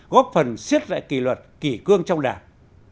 góp phần siết lại kỳ luật kỳ cương trong đảng